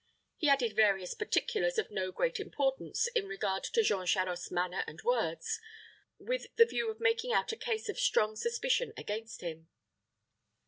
He added various particulars of no great importance in regard to Jean Charost's manner and words, with the view of making out a case of strong suspicion against him.